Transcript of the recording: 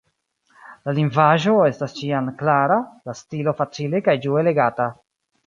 La lingvaĵo estas ĉiam klara, la stilo facile kaj ĝue legata.